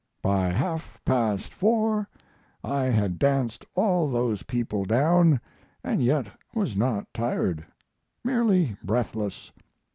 By half past 4. I had danced all those people down & yet was not tired; merely breathless.